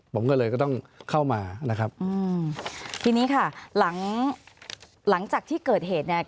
ผมก็เลยก็ต้องเข้ามานะครับอืมทีนี้ค่ะหลังหลังจากที่เกิดเหตุเนี่ย